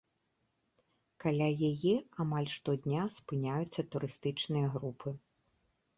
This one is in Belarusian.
Каля яе амаль штодня спыняюцца турыстычныя групы.